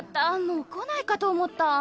もう来ないかと思った。